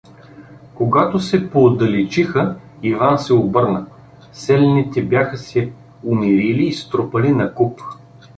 Когато се поотдалечиха, Иван се обърна: селяните бяха се умирили и струпали накуп.